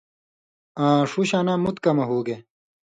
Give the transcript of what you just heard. آں ݜُو شاں مُت کمہۡ ہُوگے۔